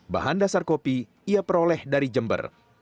bahan dasar kopi ia peroleh dari jember